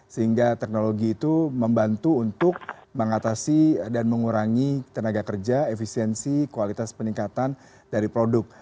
sehingga teknologi itu membantu untuk mengatasi dan mengurangi tenaga kerja efisiensi kualitas peningkatan dari produk